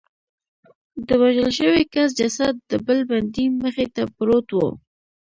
د وژل شوي کس جسد د بل بندي مخې ته پروت و